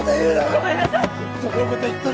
ごめんなさい